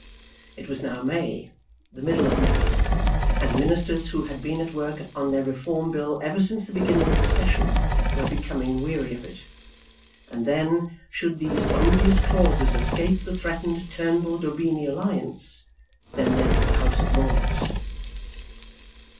It was now May, the middle of May, and ministers, who had been at work on their Reform Bill ever since the beginning of the session, were becoming weary of it. And then, should these odious clauses escape the threatened Turnbull Daubeny alliance, then there was the House of Lords!